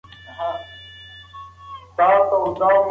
د اړتیا په وخت کې هنر په کار راځي.